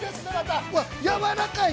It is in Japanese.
やわらかい。